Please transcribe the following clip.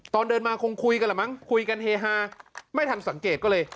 ตอนเดินมาคงคุยกันแหละมั้งคุยกันเฮฮาไม่ทันสังเกตก็เลย